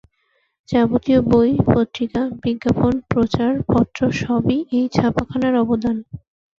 যাবতীয় বই, পত্রিকা, বিজ্ঞাপন প্রচার পত্র সবই এই ছাপা খানার অবদান।